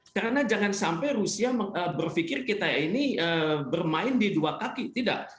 karena jangan sampai rusia berpikir kita ini bermain di dua kaki tidak